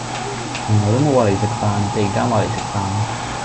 從來都冇話嚟食飯，突然間話嚟食飯